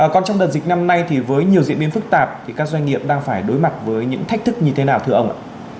còn trong đợt dịch năm nay thì với nhiều diễn biến phức tạp thì các doanh nghiệp đang phải đối mặt với những thách thức như thế nào thưa ông ạ